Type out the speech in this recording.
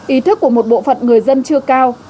ý thức của một bộ phận người dân chưa cao